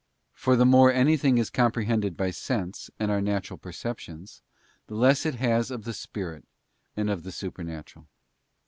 For the more anything is comprehended by sense and our natural perceptions, the less it has of the Spirit and of the supernatural.